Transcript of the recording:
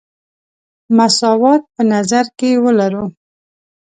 مساوات په نظر کې ولرو.